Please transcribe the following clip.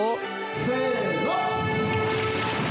せの！